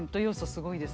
すごいですね。